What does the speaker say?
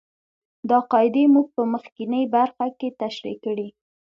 دا قاعدې موږ په مخکینۍ برخه کې تشرېح کړې.